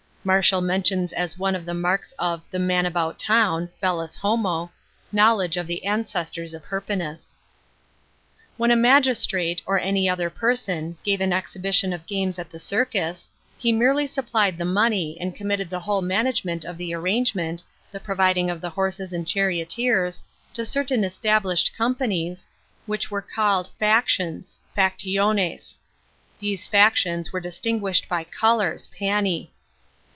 Martial mentions as one of the marks of the "man about town" (bellus homo) knowledge of the ancestors of Hiriinus. ^ When a magistrate, or any other person, gave an exhibition of gam«js at the circus, he merely supplied the money, and committed the whole management of the arrangement, the providing of the horses and charioteers, to certain established companies, \\hich * In spite of these dangers some drivers demand of the people. Juvenal, vii.